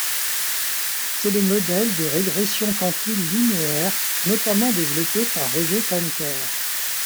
C'est le modèle de régression quantile linéaire notamment développé par Roger Koenker.